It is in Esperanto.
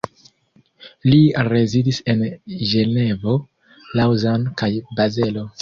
Li rezidis en Ĝenevo, Laŭzano kaj Bazelo.